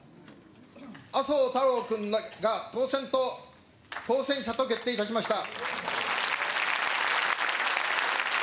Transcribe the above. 麻生太郎君が当選者と決定いたしました。